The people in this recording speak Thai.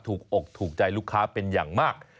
อกถูกใจลูกค้าเป็นอย่างมาก